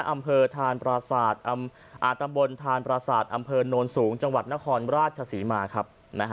อำเภอทานตำบลทานปราศาสตร์อำเภอโนนสูงจังหวัดนครราชศรีมาครับ